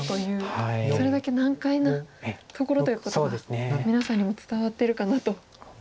それだけ難解なところということが皆さんにも伝わってるかなと思います。